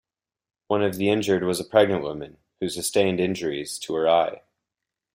One of the injured was a pregnant woman, who sustained injuries to her eye.